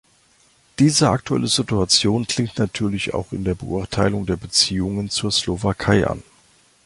Diese aktuelle Situation klingt natürlich auch in der Beurteilung der Beziehungen zur Slowakei an.